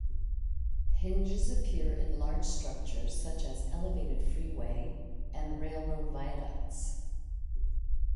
Hinges appear in large structures such as elevated freeway and railroad viaducts.